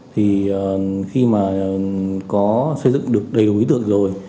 thì khi mà có xây dựng được đầy đủ ý tượng rồi